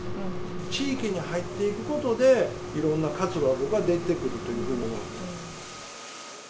地域に入っていくことで、いろんな活路が、僕は出てくるというふうに思ってます。